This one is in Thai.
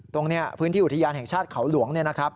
ตรงนี้พื้นที่อุทยานแห่งชาติเขาหลวงเนี่ยนะครับ